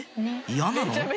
嫌なの？